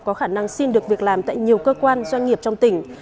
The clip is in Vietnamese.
có khả năng xin được việc làm tại nhiều cơ quan doanh nghiệp trong tỉnh